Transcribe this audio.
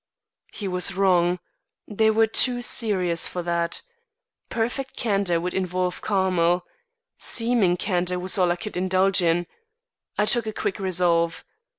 He was wrong. They were too serious for that. Perfect candour would involve Carmel. Seeming candour was all I could indulge in. I took a quick resolve.